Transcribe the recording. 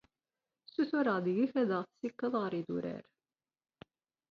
Sutureɣ deg-k ad aɣ-tessukeḍ gar yidurar.